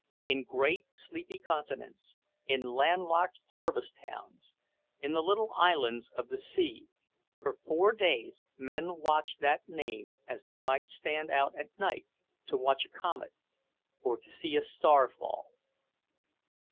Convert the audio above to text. In great sleepy continents, in land locked harvest towns, in the little islands of the sea, for four days men watched that name as they might stand out at night to watch a comet, or to see a star fall.